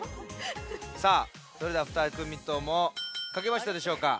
さあそれではふたくみともかけましたでしょうか？